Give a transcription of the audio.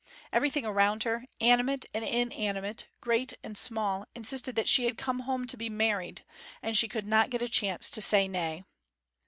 Everything around her, animate and inanimate, great and small, insisted that she had come home to be married; and she could not get a chance to say nay.